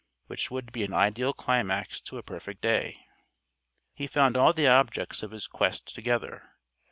Which would be an ideal climax to a perfect day. He found all the objects of his quest together.